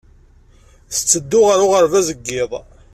Tetteddu ɣer uɣerbaz n yiḍ.